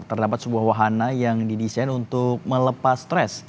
terdapat sebuah wahana yang didesain untuk melepas stres